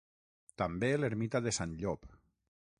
També l'ermita de Sant Llop.